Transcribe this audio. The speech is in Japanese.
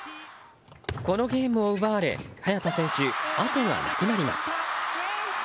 このゲームを奪われ早田選手、あとがなくなります。